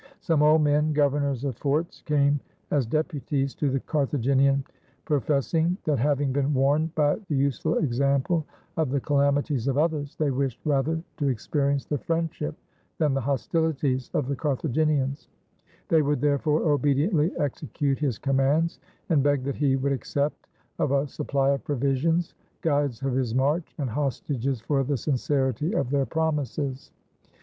Some old men, governors 343 ROME of forts, came as deputies to the Carthaginian, profess ing, ''that having been warned by the useful example of the calamities of others, they wished rather to expe rience the friendship than the hostihties of the Cartha ginians: they would, therefore, obediently execute his commands, and begged that he would accept of a supply of provisions, guides of his march, and hostages for the sincerity of their promises."